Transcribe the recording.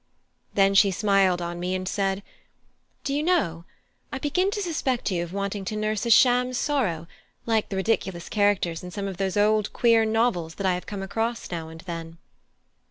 Then she smiled on me, and said: "Do you know, I begin to suspect you of wanting to nurse a sham sorrow, like the ridiculous characters in some of those queer old novels that I have come across now and then."